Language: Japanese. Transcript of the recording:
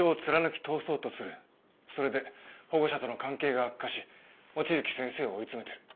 それで保護者との関係が悪化し望月先生を追い詰めてる。